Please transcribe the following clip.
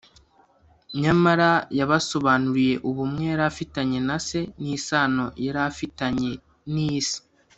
nyamara yabasobanuriye ubumwe yari afitanye na Se n’isano yari afitanye n’isi.